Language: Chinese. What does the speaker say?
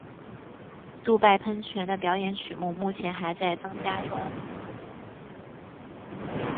杜拜喷泉的表演曲目目前还在增加中。